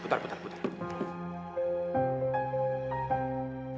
putar putar putar